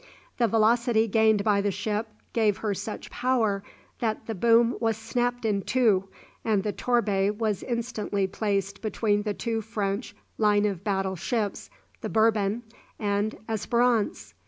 The velocity gained by the ship gave her such power that the boom was snapped in two, and the "Torbay" was instantly placed between the two French line of battle ships, the "Bourbon" and "Esperance."